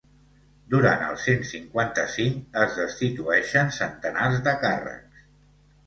Durant el cent cinquanta-cinc es destitueixen centenars de càrrecs.